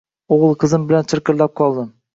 O`g`il-qizim bilan chirqillab qoldim